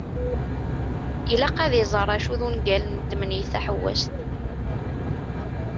Ilaq ad iẓer acu d ungalen n « temneyt taḥewwast ».